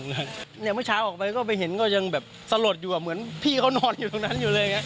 เมื่อเช้าออกไปก็ไปเห็นก็ยังแบบสลดอยู่เหมือนพี่เขานอนอยู่ตรงนั้นอยู่เลยอย่างนี้